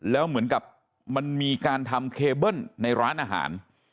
แล้วเหมือนกับมันมีการทำเคเบิ้ลในร้านอาหาร